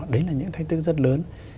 đấy là những thách thức rất lớn